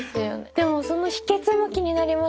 でもその秘けつも気になりますよね。